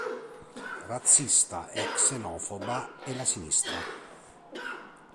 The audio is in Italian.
Razzista e xenofoba è la sinistra.